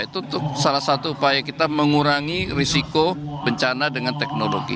itu salah satu upaya kita mengurangi risiko bencana dengan teknologi